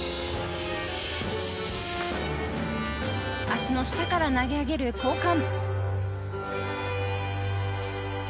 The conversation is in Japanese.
足の下から投げ上げる交換。